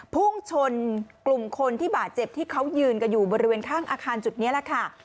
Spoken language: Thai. พุ่งชนกลุ่มคนที่บาดเจ็บที่เขายืนกันอยู่บริเวณข้างอาคารจุดนี้แหละค่ะ